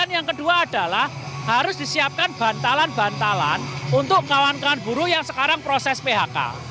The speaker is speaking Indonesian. yang kedua adalah harus disiapkan bantalan bantalan untuk kawan kawan buruh yang sekarang proses phk